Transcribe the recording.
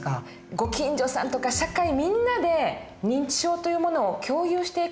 ご近所さんとか社会みんなで認知症というものを共有していく事も大事ですね。